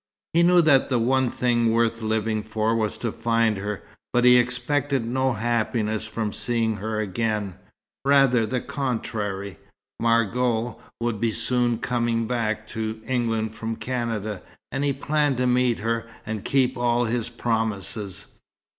He knew that the one thing worth living for was to find her; but he expected no happiness from seeing her again, rather the contrary. Margot would soon be coming back to England from Canada, and he planned to meet her, and keep all his promises.